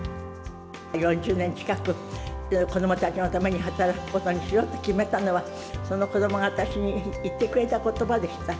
４０年近く、子どもたちのために働くことにしようと決めたのは、その子どもが私に言ってくれたことばでした。